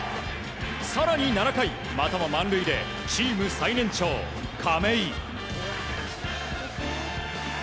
更に７回、またも満塁でチーム最年長、亀井。